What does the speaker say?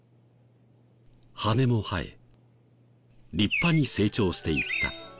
羽も生え立派に成長していった。